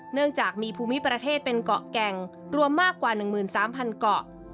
เนื่องจากมีภูมิประเทศเป็นเกาะแก่งรวมมากกว่า๑๓๐๐เกาะ